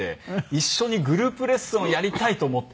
一緒にグループレッスンをやりたいと思って。